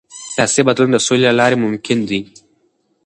سیاسي بدلون د سولې له لارې ممکن دی